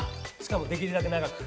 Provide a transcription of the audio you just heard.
しかもできるだけ長く。